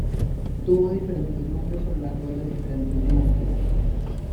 Tuvo diferentes nombres a lo largo de las diferentes dinastías.